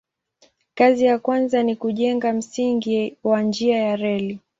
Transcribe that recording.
Kazi ya kwanza ni kujenga msingi wa njia ya reli.